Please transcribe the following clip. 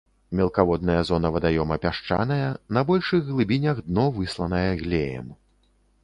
Мелкаводная зона вадаёма пясчаная, на большых глыбінях дно высланае глеем.